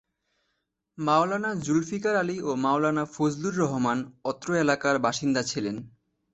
মাওলানা জুলফিকার আলী ও মাওলানা ফজলুর রহমান অত্র এলাকার বাসিন্দা ছিলেন।